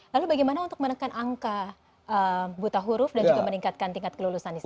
lalu bagaimana untuk menekan angka buta huruf dan juga meningkatkan tingkat kelulusan di sana